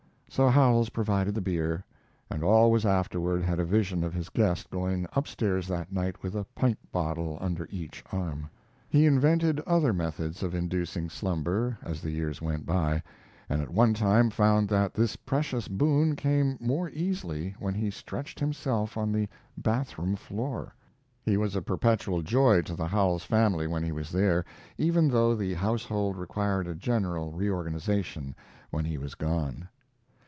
So Howells provided the beer, and always afterward had a vision of his guest going up stairs that night with a pint bottle under each arm. He invented other methods of inducing slumber as the years went by, and at one time found that this precious boon came more easily when he stretched himself on the bath room floor. He was a perpetual joy to the Howells family when he was there, even though the household required a general reorganization when he was gone.